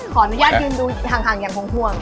ขออนุญาตดูดูทางอย่างฮ่วง